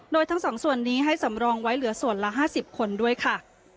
โดยทั้ง๒ส่วนนี้ให้สำรองไว้เหลือส่วนละ๕๐คนด้วยค่ะ